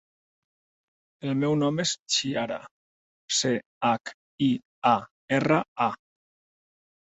El meu nom és Chiara: ce, hac, i, a, erra, a.